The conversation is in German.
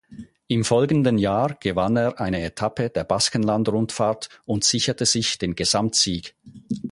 Im folgenden Jahr gewann er eine Etappe der Baskenland-Rundfahrt und sicherte sich den Gesamtsieg.